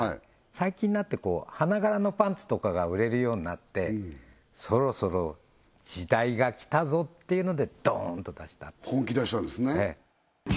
最近になって花柄のパンツとかが売れるようになってそろそろ時代が来たぞっていうのでドーンと出した本気出したんですね